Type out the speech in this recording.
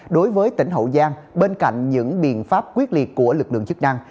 đối với tỉnh hậu giang bên cạnh những biện pháp quyết liệt của lực lượng chức năng